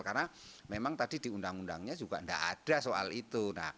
karena memang tadi di undang undangnya juga tidak ada soal itu